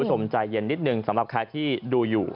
สมใจเย็นนิดนึงสำหรับใครที่ดูอยู่